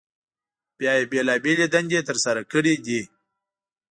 بیا یې بېلابېلې دندې تر سره کړي دي.